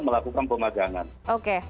melakukan pemagangan oke